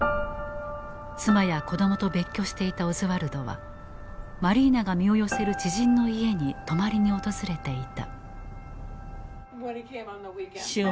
妻や子どもと別居していたオズワルドはマリーナが身を寄せる知人の家に泊まりに訪れていた。